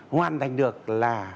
hoàn thành được là